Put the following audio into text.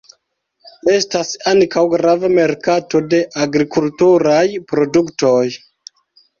Estas ankaŭ grava merkato de agrikulturaj produktoj.